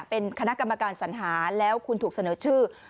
เป็นคณะกรรมการสัญหาแล้วคุณถูกเสนอชื่อ